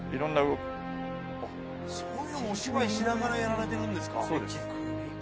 そういうのもお芝居しながらやられてるんですか。